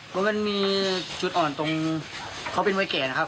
บัวเงินมีจุดอ่อนตรงเขาเป็นมวยเก่นะครับ